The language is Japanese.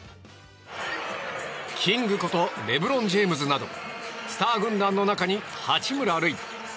キングことレブロン・ジェームズなどスター軍団の中に八村塁。